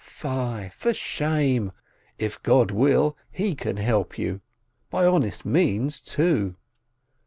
Fie, for shame ! If God will, he can help you by honest means too."